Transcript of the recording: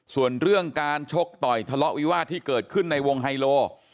ส่วนเรื่องการชกต่อยทะเลาะวิวาสที่เกิดขึ้นในวงไฮโล